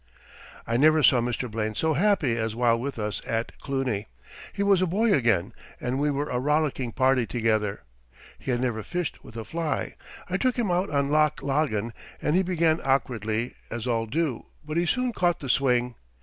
I never saw Mr. Blaine so happy as while with us at Cluny. He was a boy again and we were a rollicking party together. He had never fished with a fly. I took him out on Loch Laggan and he began awkwardly, as all do, but he soon caught the swing.